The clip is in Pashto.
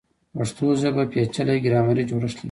پښتو ژبه پیچلی ګرامري جوړښت لري.